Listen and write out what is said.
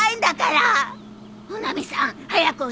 穂波さん早く教えて。